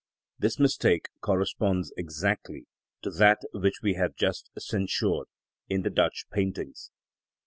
This mistake corresponds exactly to that which we have just censured in the Dutch paintings.